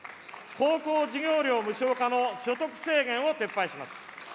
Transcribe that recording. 高校授業料無償化の所得制限を撤廃します。